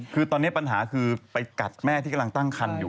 คือตัวเนี้ยปัญหาคือไปกัดแม่ที่ตั้งคันอยู่